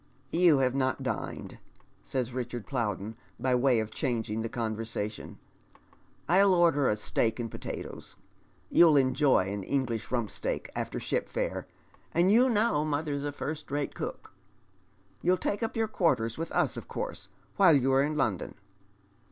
" You have not dined," Bays Richard Plowden, by way of changing the conversation. "I'll order a steak and potatoes. You'll enjoy an English rumpsteak after ship fare, and you know mother's a first rate cook. You'll take up your quarters with us, of course, while you are in London